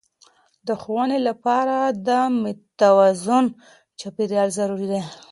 د ښوونې لپاره د متوازن چاپیریال ضروري دی.